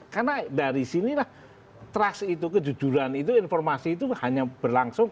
karena dari sinilah trust itu kejujuran itu informasi itu hanya berlangsung